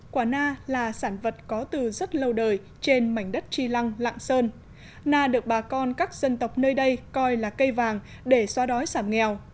quả na là sản vật có từ rất lâu đời trên mảnh đất tri lăng lạng sơn na được bà con các dân tộc nơi đây coi là cây vàng để xoa đói giảm nghèo